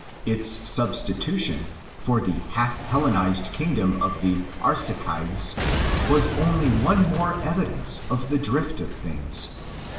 Its substitution for the half Hellenised kingdom of the Arsacids was only one more evidence of the drift of things.